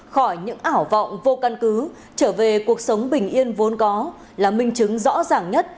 khỏi những ảo vọng vô căn cứ trở về cuộc sống bình yên vốn có là minh chứng rõ ràng nhất